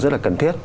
rất là cần thiết